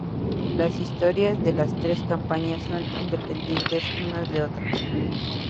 Las historias de las tres campañas son independientes unas de otras.